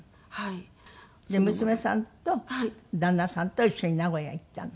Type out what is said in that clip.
じゃあ娘さんと旦那さんと一緒に名古屋行ったの？